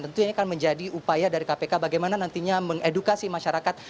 tentu ini akan menjadi upaya dari kpk bagaimana nantinya mengedukasi masyarakat